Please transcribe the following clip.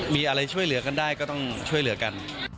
มีอะไรช่วยเหลือกันได้ก็ต้องช่วยเหลือกัน